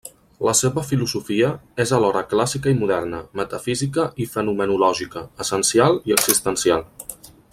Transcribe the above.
La seva filosofia és alhora clàssica i moderna, metafísica i fenomenològica, essencial i existencial.